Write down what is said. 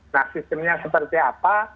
nah sistemnya seperti apa